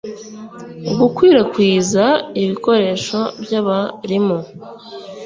gukwirakwiza ibikoresho by'abarimu